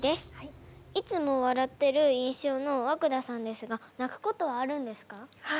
いつも笑ってる印象の和久田さんですが泣くことはあるんですか？